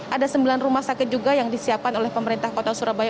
ada sembilan rumah sakit juga yang disiapkan oleh pemerintah kota surabaya